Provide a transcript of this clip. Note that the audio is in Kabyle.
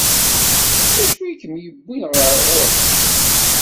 D acu i kem-yewwin ɣer ɣur-sen?